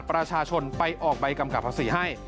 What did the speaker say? โทษภาพชาวนี้ก็จะได้ราคาใหม่